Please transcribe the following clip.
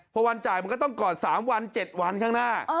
พอวันจ่ายมันก็ต้องก่อน๓วัน๗วันข้างหน้า